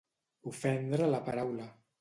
Ofendre la paraula.